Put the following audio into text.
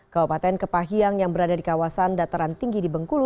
kabupaten kepahiang yang berada di kawasan dataran tinggi di bengkulu